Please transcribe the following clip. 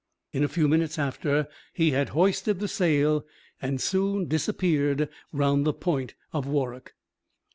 In a few minutes after, he had hoisted the sail, and soon disappeared round the Point of Warroch.